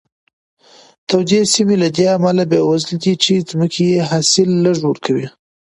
تودې سیمې له دې امله بېوزله دي چې ځمکې یې حاصل لږ ورکوي.